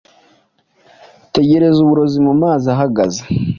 Tegereza uburozi mumazi ahagaze.